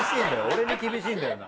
俺に厳しいんだよな。